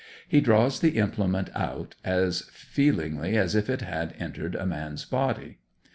He draws the implement out as feelingly as if it had entered a man's body.